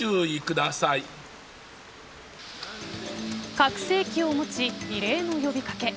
拡声機を持ち異例の呼び掛け。